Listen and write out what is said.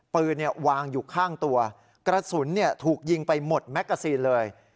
ปืนวางอยู่ข้างตัวกระสุนถูกยิงไปหมดแมกกาซีนเลย